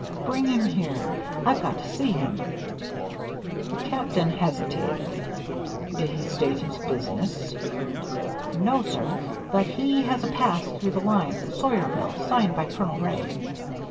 "Bring him here. I've got to see him." The Captain hesitated. "Did he state his business?" "No, sir. But he has a pass through the lines at Sawyerville, signed by Colonel Wray."